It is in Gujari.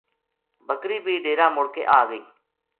بکری بھی ڈیرا مڑ کے آ گئی۔